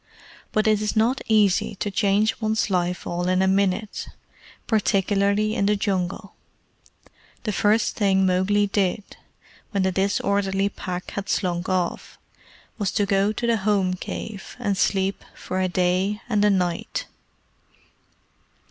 But it is not easy to change one's life all in a minute particularly in the Jungle. The first thing Mowgli did, when the disorderly Pack had slunk off, was to go to the home cave, and sleep for a day and a night.